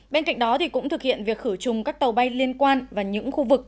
bên cạnh đó cũng thực hiện việc khử trùng các tàu bay liên quan và những khu vực